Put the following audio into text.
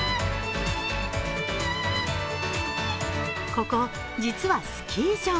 ここ、実はスキー場。